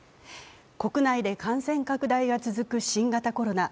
国内で感染拡大が続く新型コロナ。